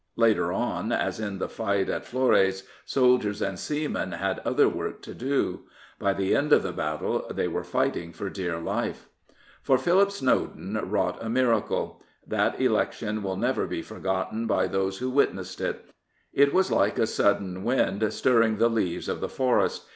Later on, as in the fight at Flores, soldiers and seamen had other work *75 Prophets, Priests, and Kings to do. By the end of the battle they were fighting for dear life. For Philip Snowden wrought a miracle. That election will never be forgotten by those who witnessed it. It was like a sudden wind stirring the leaves of the forest.